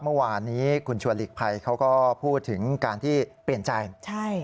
เมื่อวานนี้คุณชวนหลีกภัยเขาก็พูดถึงการที่เปลี่ยนใจใช่